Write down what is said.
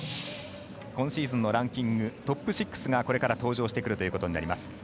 今シーズンのランキングトップ６がこれから登場してくるということになります。